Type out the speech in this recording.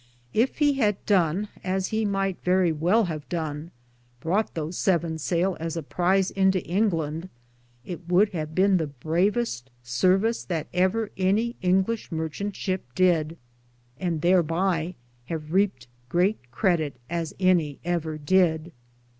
Yf he had done, as he myghte verrie well have done, broughte these seven sayle as a prise into Inglande, it would have bene the braveste sarvis that ever any Inglishe marchante shipe did, and tharby have Reaped greate cridit as any ever did.